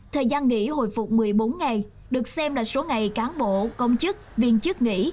thời gian nghỉ hồi phục một mươi bốn ngày được xem là số ngày cán bộ công chức viên chức nghỉ